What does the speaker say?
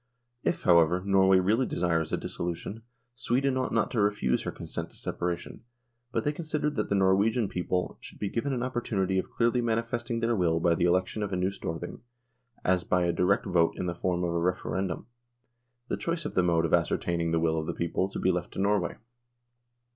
If, however, Norway really desires a dis solution, Sweden ought not to refuse her consent to separation, but they considered that the Norwegian people should be given an opportunity of clearly manifesting their will by the election of a new Storthing, as by a direct vote in the form of a Referendum, the choice of the mode of ascertaining the will of the people to be left to Norway.